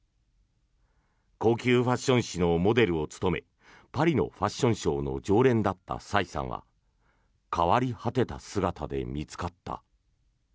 高級ファッション誌のモデルを務めパリのファッションショーの常連だったサイさんは変わり果てた姿で見つかった。